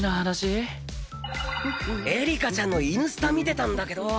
エリカちゃんのイヌスタ見てたんだけど。